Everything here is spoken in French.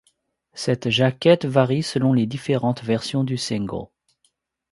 Cette jaquette varie selon les différentes versions du single.